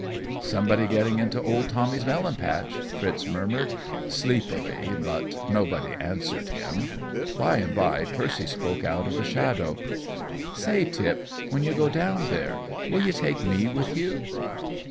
"Somebody getting into old Tommy's melon patch," Fritz murmured, sleepily, but nobody answered him. By and by Percy spoke out of the shadow. "Say, Tip, when you go down there will you take me with you?"